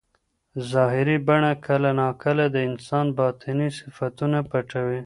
ظاهري بڼه کله ناکله د انسان باطني صفتونه پټوي.